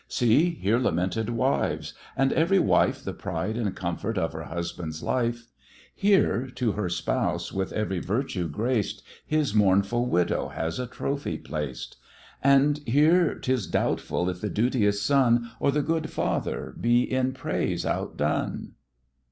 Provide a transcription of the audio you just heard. See! here lamented wives, and every wife The pride and comfort of her husband's life; Here, to her spouse, with every virtue graced, His mournful widow has a trophy placed; And here 'tis doubtful if the duteous son, Or the good father, be in praise outdone.